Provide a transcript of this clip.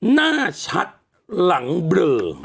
หน้าชัดหลังเบลอ